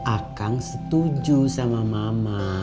akan setuju sama mama